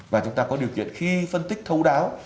và chúng ta có điều kiện khi phân tích thấu đáo